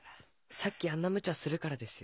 さっきあんなムチャするからですよ。